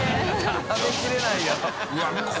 食べきれないよ